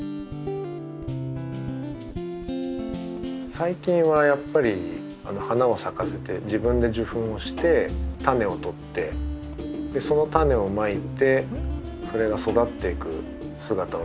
最近はやっぱり花を咲かせて自分で受粉をしてタネをとってそのタネをまいてそれが育っていく姿を見てるのはすごく楽しいですし